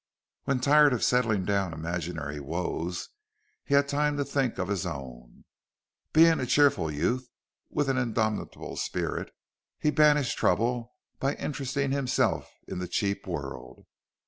When tired of setting down imaginary woes he had time to think of his own; but being a cheerful youth, with an indomitable spirit, he banished trouble by interesting himself in the cheap world.